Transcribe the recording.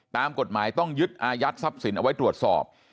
ตามกฎหมายต้องยึดอายัดทรัพย์สินเอาไว้ตรวจสอบ